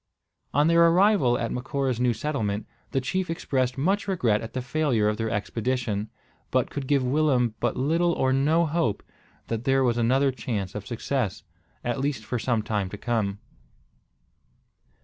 On their arrival at Macora's new settlement, the chief expressed much regret at the failure of their expedition, but could give Willem but little or no hope that there was other chance of success, at least for some time to come.